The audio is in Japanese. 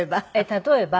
例えば？